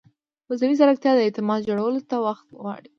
مصنوعي ځیرکتیا د اعتماد جوړولو ته وخت غواړي.